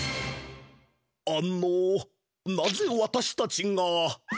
あのなぜわたしたちが。